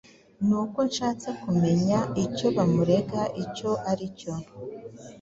Nuko nshatse kumenya icyo bamurega icyo ari cyo,